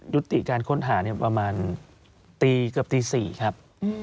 ยุติการค้นหาประมาณตีตรงกับตีสี่ครับ